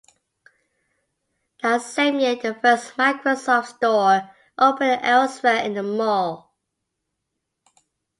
That same year, the first Microsoft Store opened elsewhere in the mall.